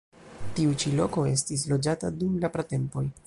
Tiu ĉi loko estis loĝata dum la pratempoj.